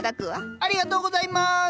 ありがとうございます！